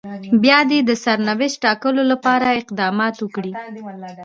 بيا دې د سرنوشت ټاکلو لپاره اقدامات وکړي.